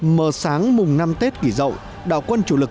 mờ sáng mùng năm tết kỳ rậu đạo quân chủ lực